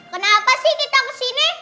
kenapa sih kita kesini